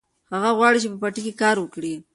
هغه غواړي چې په پټي کې کار وکړي.